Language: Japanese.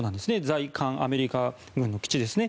在韓アメリカ軍の基地ですね。